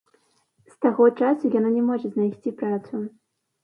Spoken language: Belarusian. З таго часу яна не можа знайсці працу.